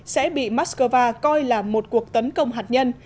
sẽ bị moscow coi là một cuộc tấn công hạt nhân